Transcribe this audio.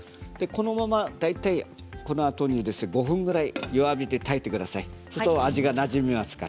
このままこのあとに５分ぐらい弱火で炊いてください。